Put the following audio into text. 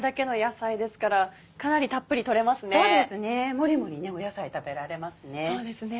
もりもり野菜食べられますね。